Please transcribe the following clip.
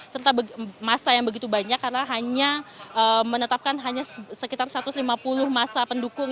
serta masa yang begitu banyak karena hanya menetapkan hanya sekitar satu ratus lima puluh masa pendukung